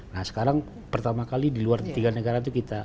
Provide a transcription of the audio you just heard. nah sekarang pertama kali di luar tiga negara itu kita